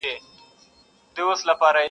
کفن په غاړه ګرځومه قاسم یاره پوه یم,